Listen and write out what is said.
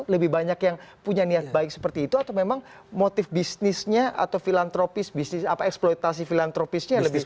lebih banyak yang punya niat baik seperti itu atau memang motif bisnisnya atau filantropis bisnis eksploitasi filantropisnya lebih besar